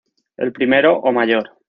El primero, o mayor.